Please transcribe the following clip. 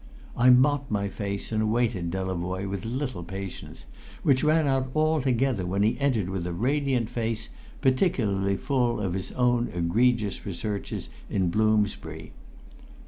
I mopped my face and awaited Delavoye with little patience, which ran out altogether when he entered with a radiant face, particularly full of his own egregious researches in Bloomsbury.